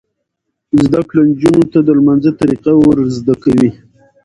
زده کړه نجونو ته د لمانځه طریقه ور زده کوي.